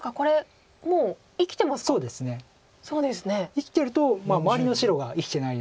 生きてると周りの白が生きてないので。